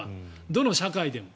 どの社会でも。